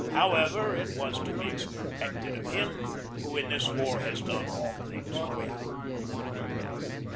However, it was to be expected of him who in this war has done all things well."